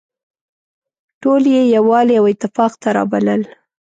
ټول يې يووالي او اتفاق ته رابلل.